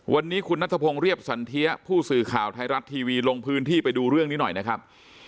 วันนี้คุณนัทพงศ์เรียบสันเทียผู้สื่อข่าวไทยรัฐทีวีลงพื้นที่ไปดูเรื่องนี้หน่อยนะครับ